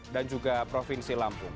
dan provinsi lampung